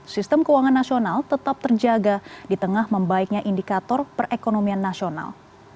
sistem keuangan nasional tetap terjaga di tengah membaiknya indikator perekonomian nasional